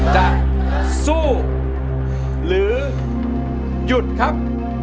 จะสู้หรือหยุดครับ